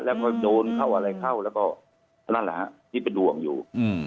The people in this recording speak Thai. แล้วก็โดนเข้าอะไรเข้าแล้วก็นั่นแหละฮะที่เป็นห่วงอยู่